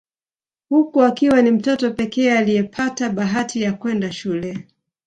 Huku akiwa ni mtoto pekee aliyepata bahati ya kwenda shule